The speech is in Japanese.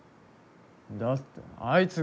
だってあいつが。